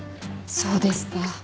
そうですか。